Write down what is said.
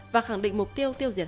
và khẳng định mục tiêu tiêu diệt